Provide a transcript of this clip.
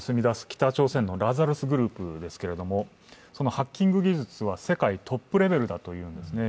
北朝鮮のラザルスグループですけれども、そのハッキング技術は世界トップレベルだというんですね。